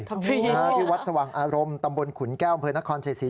ที่วัดสว่างอารมณ์ตำบลขุนแก้วอำเภอนครชัยศรี